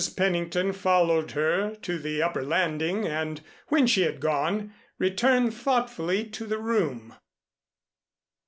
Pennington followed her to the upper landing and when she had gone, returned thoughtfully to the room.